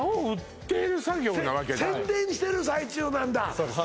そうですね